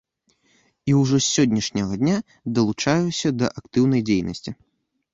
І ўжо з сённяшняга дня далучаюся да актыўнай дзейнасці.